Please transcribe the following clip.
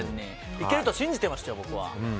いけると信じてました、僕は。